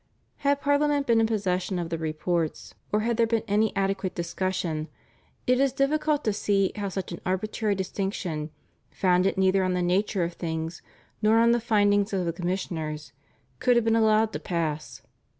Had Parliament been in possession of the reports or had there been any adequate discussion, it is difficult to see how such an arbitrary distinction, founded neither on the nature of things, nor on the findings of the commissioners, could have been allowed to pass.